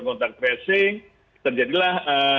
kontrak tracing terjadilah